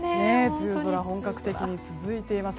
梅雨が本格的に続いています。